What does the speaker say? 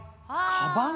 かばん？